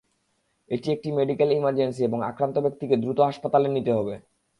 এটি একটি medical emergency এবং আক্রান্ত ব্যক্তিকে দ্রুত হাসপাতালে নিতে হবে।